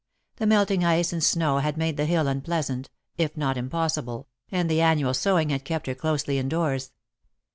The melting ice and snow had made the hill unpleasant, if not impossible, and the annual sewing had kept her closely indoors.